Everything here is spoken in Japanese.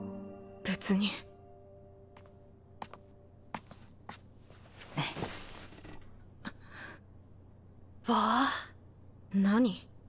別にわあっ何？